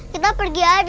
kita pergi aja